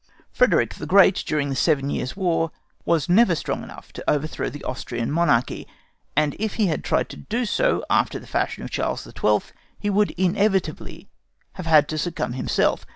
Frederick the Great, during the Seven Years' War, was never strong enough to overthrow the Austrian monarchy; and if he had tried to do so after the fashion of Charles the Twelfth, he would inevitably have had to succumb himself.